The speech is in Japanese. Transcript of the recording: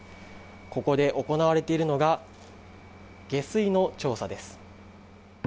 ここで行われているのが、下水の調査です。